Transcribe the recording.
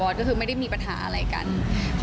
ออกงานอีเวนท์ครั้งแรกไปรับรางวัลเกี่ยวกับลูกทุ่ง